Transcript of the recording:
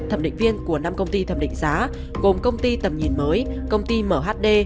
thẩm định viên của năm công ty thẩm định giá gồm công ty tầm nhìn mới công ty mhd